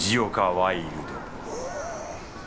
ワイルド。